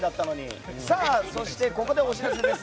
そして、ここでお知らせです。